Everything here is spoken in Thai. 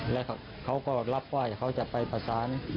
และเขาก็รับว่าจะไปสนาสาร